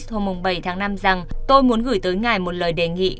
hôm bảy tháng năm rằng tôi muốn gửi tới ngài một lời đề nghị